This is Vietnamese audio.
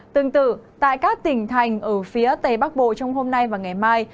tương tự tại các tỉnh thành ở phía tây bắc bộ trong hôm nay và ngày mai